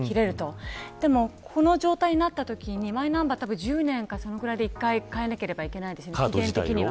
この状態になったときにマイナンバーは１０年かそのぐらいで一度変えなければいけませんよね。